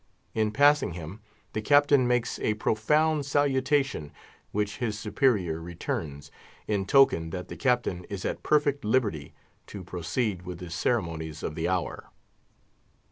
In passing him, the Captain makes a profound salutation, which his superior returns, in token that the Captain is at perfect liberty to proceed with the ceremonies of the hour.